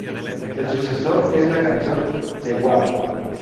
Su sucesor es la canción "The Wave".